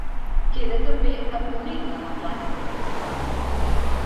Queda també a ponent de la Plana de Carrió.